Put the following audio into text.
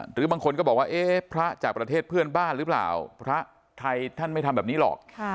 หรือบางคนก็บอกว่าเอ๊ะพระจากประเทศเพื่อนบ้านหรือเปล่าพระไทยท่านไม่ทำแบบนี้หรอก